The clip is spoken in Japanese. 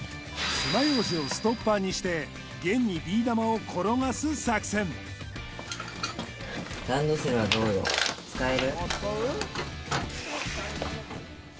爪楊枝をストッパーにして弦にビー玉を転がす作戦使える？